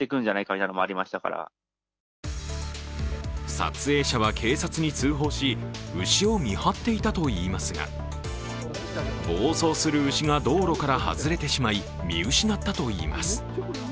撮影者は警察に通報し牛を見張っていたといいますが暴走する牛が道路から外れてしまい、見失ったといいます。